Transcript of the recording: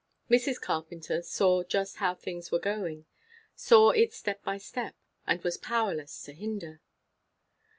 Mrs. Carpenter saw just how things were going, saw it step by step, and was powerless to hinder.